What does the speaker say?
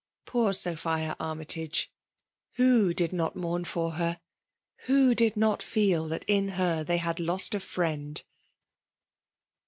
Poor Sophia Armytage — who did not mourn for her? — Who did not feel that in her they had lost a friend